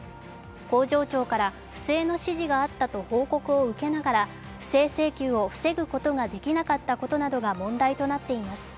工場長から、不正な指示があったと報告を受けながら不正請求を防ぐことができなかったことなどが問題となっています。